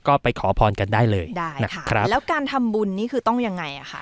ก็ไปขอพรกันได้เลยได้นะคะครับแล้วการทำบุญนี่คือต้องยังไงอ่ะค่ะ